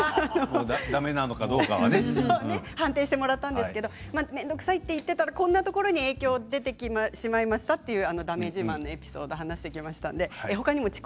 だめなのか、どうかがね。判定してもらったんですけど面倒くさいって言っていたらこんなところに影響してしまいましたというだめ自慢を話しています。